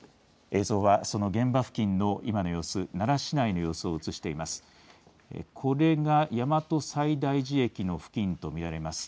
映像はその現場付近の今の様子、奈良市内の様子を映しています。